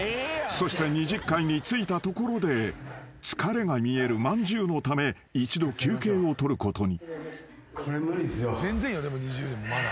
［そして２０階に着いたところで疲れが見えるまんじゅうのため一度休憩を取ることに］